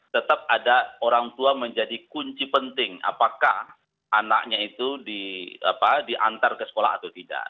tetap ada orang tua menjadi kunci penting apakah anaknya itu diantar ke sekolah atau tidak